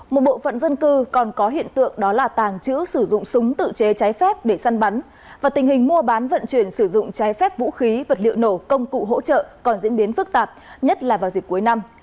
một bộ phận dân cư còn có hiện tượng đó là tàng trữ sử dụng súng tự chế trái phép để săn bắn và tình hình mua bán vận chuyển sử dụng trái phép vũ khí vật liệu nổ công cụ hỗ trợ còn diễn biến phức tạp nhất là vào dịp cuối năm